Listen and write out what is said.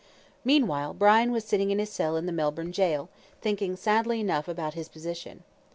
Meanwhile Brian was sitting in his cell in the Melbourne Jail, thinking sadly enough about his position.